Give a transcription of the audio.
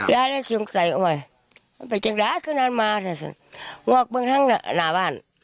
ยายเนี่ยสงสัยอ่ะหม่อย